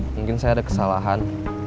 mungkin saya ada kesalahan